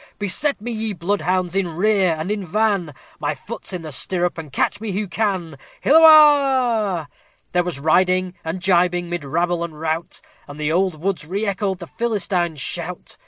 "Beset me, ye bloodhounds! in rear and in van; My foot's in the stirrup and catch me who can!" Hilloah! There was riding and gibing mid rabble and rout, And the old woods re echoed the Philistines' shout!